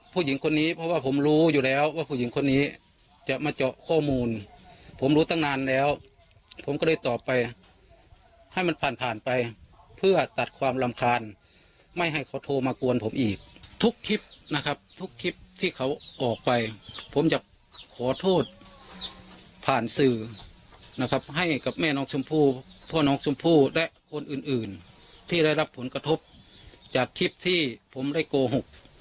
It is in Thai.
ผู้หญิงคนนี้เพราะว่าผมรู้อยู่แล้วว่าผู้หญิงคนนี้จะมาเจาะข้อมูลผมรู้ตั้งนานแล้วผมก็เลยตอบไปให้มันผ่านผ่านไปเพื่อตัดความรำคาญไม่ให้เขาโทรมากวนผมอีกทุกคลิปนะครับทุกคลิปที่เขาออกไปผมอยากขอโทษผ่านสื่อนะครับให้กับแม่น้องชมพู่พ่อน้องชมพู่และคนอื่นอื่นที่ได้รับผลกระทบจากคลิปที่ผมได้โกหก